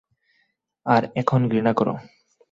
আর এখন ঘৃণা করো।